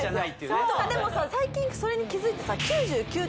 そうでもさ最近それに気づいてさある